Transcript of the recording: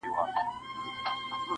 • سندریز شعرونه هم ولیکل -